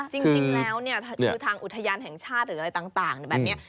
จริงแล้วเนี่ยทางอุทยานแห่งชาติอะไรต่างเหมือนแบบนี้